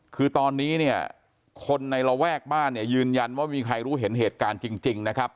คือตอนนี้เนี่ยคนในระแวกบ้านเนี่ยยืนยันว่าไม่มีใครรู้เห็นเหตุการณ์จริงนะครับ